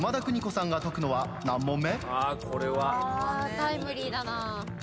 タイムリーだなぁ。